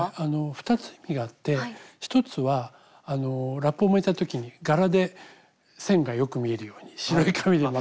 ２つ意味があって１つはラップを巻いた時に柄で線がよく見えるように白い紙で巻くっていうのが１つの意味です。